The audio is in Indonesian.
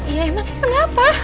ya emang kenapa